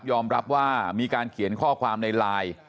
รับว่ามีการเขียนข้อความในไลน์